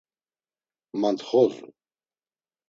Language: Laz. Mantxozu.